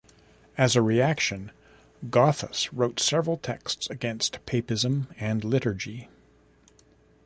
As a reaction, Gothus wrote several texts against papism and liturgy.